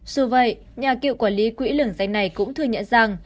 dù vậy nhà cựu quản lý quỹ lưng danh này cũng thừa nhận rằng